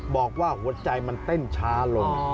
บอกว่าหัวใจมันเต้นช้าลง